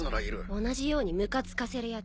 同じようにムカつかせる奴。